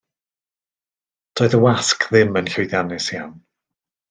Doedd y wasg ddim yn llwyddiannus iawn.